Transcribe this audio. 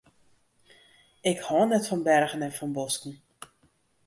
Ik hâld net fan bergen en fan bosken.